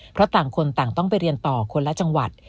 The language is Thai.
เพราะต่างคนต่างต้องไปเรียนต่อคนละจังหวัด